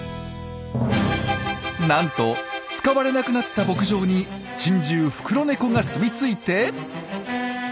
なんと使われなくなった牧場に珍獣フクロネコが住み着いて。